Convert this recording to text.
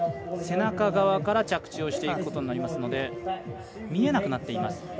背中側から着地をしていくことになりますので見えなくなっています。